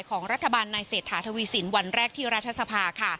ของรัฐบาลในเศรษฐาทวีสินวันแรกที่รัฐสภาค่ะ